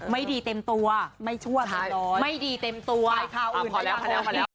ไม่ดีเต็มตัวไม่ชั่วเต็มร้อย